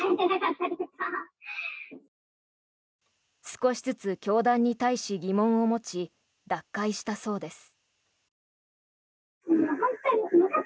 少しずつ教団に対し疑問を持ち脱会したそうです。